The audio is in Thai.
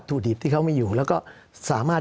สำหรับกำลังการผลิตหน้ากากอนามัย